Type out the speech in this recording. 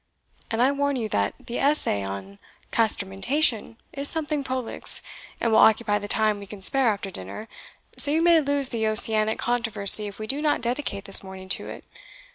And I warn you that the Essay on Castrametation is something prolix, and will occupy the time we can spare after dinner, so you may lose the Ossianic Controversy if we do not dedicate this morning to it.